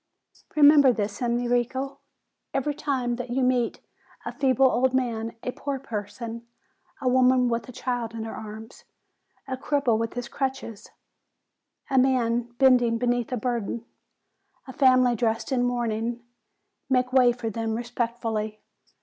Re member this, Enrico. Every time that you meet a feeble old man, a poor person, a woman with a child in her arms, a cripple with his crutches, a man bending beneath a burden, a family dressed in mourning, make way for them respectfully.